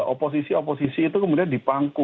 oposisi oposisi itu kemudian dipangku